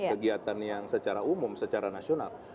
kegiatan yang secara umum secara nasional